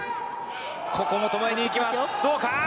ここも、ともえに行きます。